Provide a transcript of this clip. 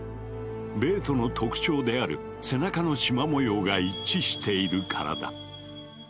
ベートの特徴である背中のしま模様が一致しているからだ。